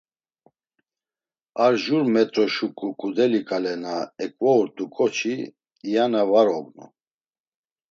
Ar jur metro şuǩu ǩudeli ǩale na eǩvourt̆u ǩoçi aina var ognu.